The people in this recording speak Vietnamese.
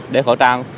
để khẩu trang